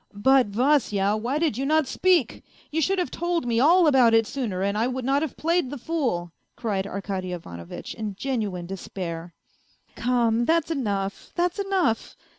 " But, Vasya, why did you not speak ! You should have told me all about it sooner and I would not have played the fool !" cried Arkady Ivanovitch in genuine despair. " Come, that's enough, that's enough